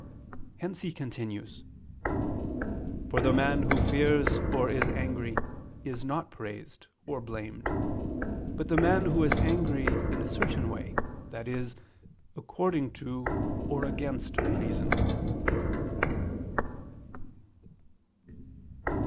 Hence he continues: "For the man who fears or is angry, is not praised ... or blamed, but the man who is angry in a certain way, i.e. according to, or against reason."